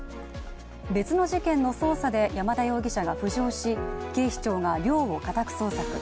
別の事件の捜査で山田容疑者が浮上し警視庁が寮を家宅捜索。